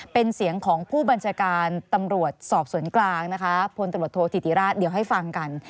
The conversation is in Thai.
เป็นเสียงของผู้บัญชาการตำรวจสอบสวนกลางนะคะพลตำรวจโทษธิติราชเดี๋ยวให้ฟังกัน